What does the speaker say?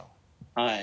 はい。